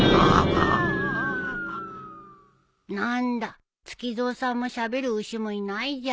何だツキゾウさんもしゃべる牛もいないじゃん。